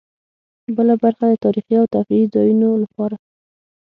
بله برخه د تاریخي او تفریحي ځایونو لپاره.